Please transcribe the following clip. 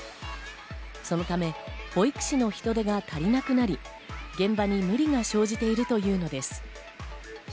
そのため保育士の人手が足りなくなり、現場に無理が生じているというのです。